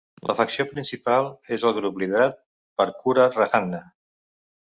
La facció principal és el grup liderat per Koora Rajanna.